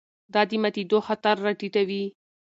دا د ماتېدو خطر راټیټوي.